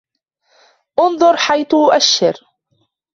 انظر حيث ااشر.